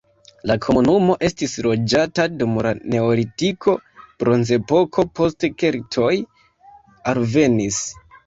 La komunumo estis loĝata dum la neolitiko, bronzepoko, poste keltoj alvenis.